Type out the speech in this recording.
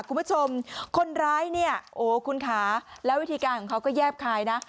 คุณผู้ชมคนร้ายเนี่ยโอ้คุณค่ะแล้ววิธีการของเขาก็แยบคายนะ